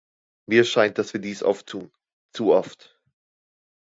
Mir scheint, dass wir dies oft tun, zu oft.